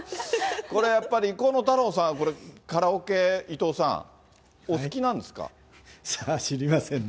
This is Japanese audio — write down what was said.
これやっぱり、河野太郎さんはカラオケ、伊藤さん、お好きなんでさあ、知りませんね。